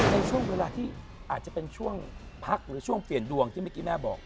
ในช่วงเวลาที่อาจจะเป็นช่วงพักหรือช่วงเปลี่ยนดวงที่เมื่อกี้แม่บอก